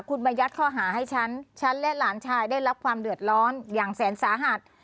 คุณมายัดข้อหาให้ฉันฉันและหลานชายได้รับความเดือดร้อนอย่างแสนสาหัส